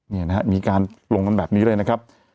เนี่ยนะฮะมีการลงมันแบบนี้เลยนะครับ